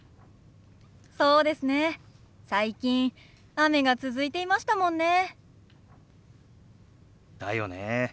最近雨が続いていましたもんね。だよね。